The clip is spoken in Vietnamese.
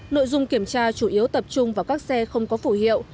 nội dung kiểm tra chủ yếu tập trung vào các xe không có phủ hiệu